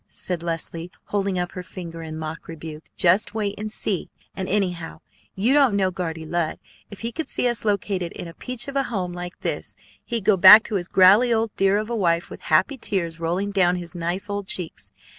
said Leslie, holding up her finger in mock rebuke. "Just wait and see! And, anyhow, you don't know Guardy Lud. If he could see us located in a peach of a home like this, he'd go back to his growley old dear of a wife with happy tears rolling down his nice old cheeks.